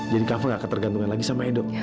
jadi kava nggak ketergantungan lagi sama edo